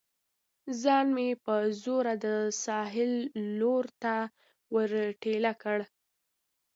ځان مې په زوره د ساحل لور ته ور ټېله کړ.